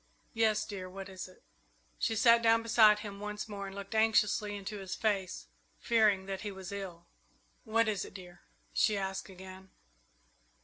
"Yes, dear; what is it?" She sat down beside him once more and looked anxiously into his face, fearing that he was ill. "What is it, dear?" she asked again.